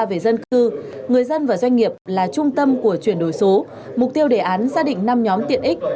về dân cư người dân và doanh nghiệp là trung tâm của chuyển đổi số mục tiêu đề án xác định năm nhóm tiện ích